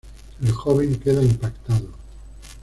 El joven queda impactado.